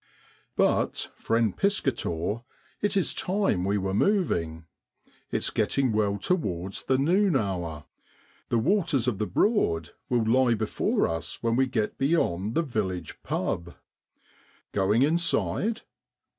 But, friend Piscator, it is time we were moving. It's getting well towards the noon hour. The waters of the Broad will lie before us when we get beyond the village ' pub.' Going inside?